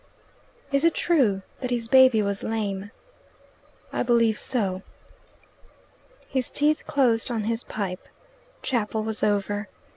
"Is it true that his baby was lame?" "I believe so." His teeth closed on his pipe. Chapel was over.